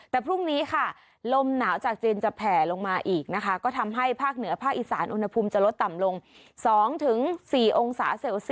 แต่พรุ่งนี้ค่ะลมหนาวจากจีนจะแผ่ลงมาอีกนะคะก็ทำให้ภาคเหนือภาคอีสานอุณหภูมิจะลดต่ำลง๒๔องศาเซลเซียส